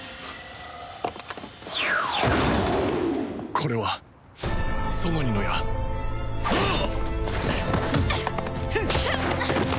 これはソノニの矢ハアッ！